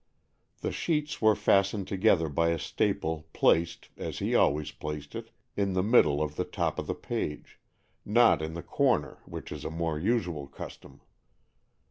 The sheets were fast ened together by a staple placed, as he always placed it, in the middle of the top of the page — not in the corner, which' is a more usual custom.